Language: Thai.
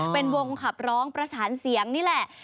เป็นวงขับร้องประสานเสียงนี่แหละ